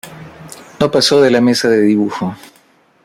No pasó de la mesa de dibujo.